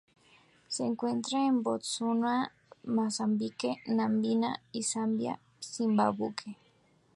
Se encuentra en Botsuana, Mozambique, Namibia, Zambia y Zimbabue.